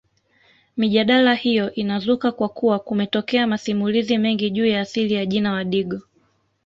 Mijadala hiyo inazuka kwa kuwa kumetokea masimulizi mengi juu ya asili ya jina Wadigo